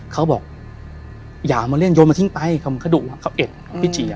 เขาบอกอย่ามองมาเล่นโดดมาทิ้งไปคือเขาเอ็ดพิชิ